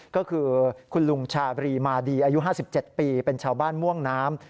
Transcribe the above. ก็คือคุณลุงชาบรีมาดีอายุ๕๗ปีเป็นชาวบ้านม่วงน้ำ